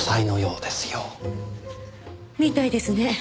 みたいですね。